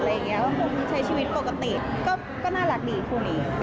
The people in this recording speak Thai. ก็คงใช้ชีวิตปกติก็น่ารักดีคู่นี้